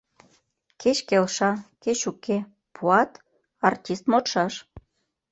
Кеч келша, кеч уке, пуат — артист модшаш.